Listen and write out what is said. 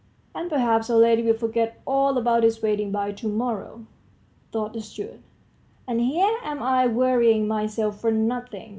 "And, perhaps, our lady will forget all about this wedding by to morrow," thought the steward; "and here am I worrying myself for nothing!